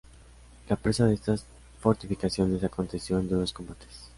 La presa de estas fortificaciones aconteció en duros combates.